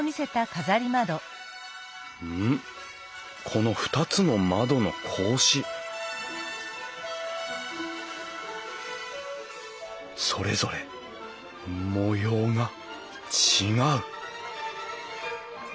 この２つの窓の格子それぞれ模様が違う